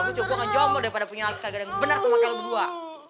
gue ngejomblo daripada punya asli kaget yang bener sama kalian berdua